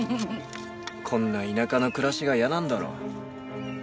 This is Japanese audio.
こんな田舎の暮らしが嫌なんだろう。